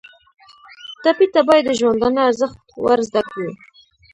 ټپي ته باید د ژوندانه ارزښت ور زده کړو.